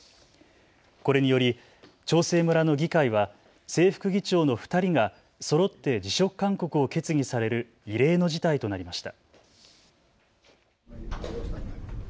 これにより長生村の議会は正副議長の２人がそろって辞職勧告を決議される異例の事態となりました。